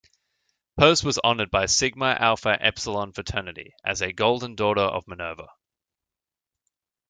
Post was honored by Sigma Alpha Epsilon fraternity as a "Golden Daughter of Minerva".